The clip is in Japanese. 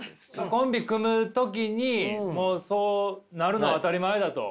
コンビ組む時にもうそうなるのは当たり前だと。